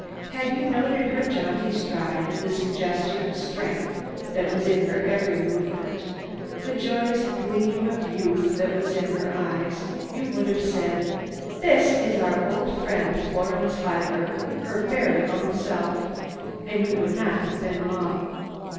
Had you noted her jaunty stride, the suggestion of strength that was in her every movement, the joyous gleam of youth that was in her eyes, you would have said: "This is our old friend Florence Huyler, her very own self." And you would not have been wrong.